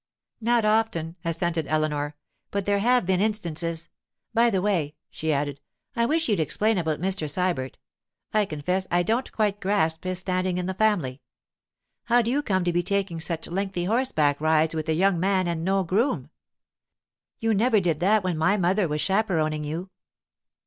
'Not often,' assented Eleanor; 'but there have been instances. By the way,' she added, 'I wish you'd explain about Mr. Sybert; I confess I don't quite grasp his standing in the family. How do you come to be taking such lengthy horseback rides with a young man and no groom? You never did that when my mother was chaperoning you.